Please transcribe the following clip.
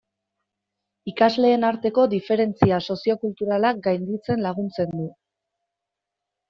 Ikasleen arteko diferentzia soziokulturalak gainditzen laguntzen du.